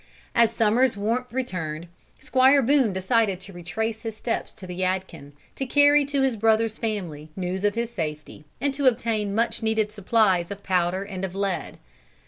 As summer's warmth returned, Squire Boone decided to retrace his steps to the Yadkin, to carry to his brother's family news of his safety, and to obtain much needed supplies of powder and of lead.